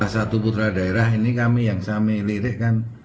satu putra daerah ini kami yang kami lirik kan